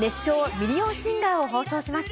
ミリオンシンガーを放送します。